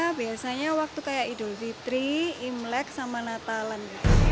ya biasanya waktu kayak idul fitri imlek sama natalan